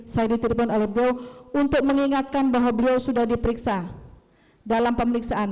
saya ditelepon oleh beliau untuk mengingatkan bahwa beliau sudah diperiksa dalam pemeriksaan